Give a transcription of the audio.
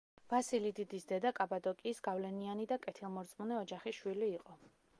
ბასილი დიდის დედა კაბადოკიის გავლენიანი და კეთილმორწმუნე ოჯახის შვილი იყო.